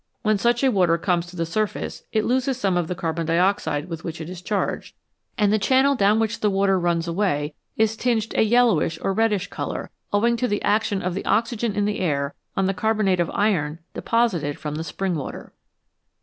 When such a water comes to the surface, it loses some of the carbon dioxide with which it is charged, and the channel down which the water runs 104 I J iS </>* J gg * I'i 6 |3 5 2 "'* M! <^o o Is NATURAL WATERS away is tinged a yellowish or reddish colour, owing to the action of the oxygen in the air on the carbonate of iron deposited from the spring water.